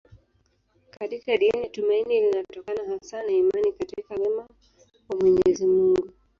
Katika dini tumaini linatokana hasa na imani katika wema wa Mwenyezi Mungu.